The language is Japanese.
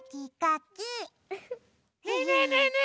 ねえねえねえねえ！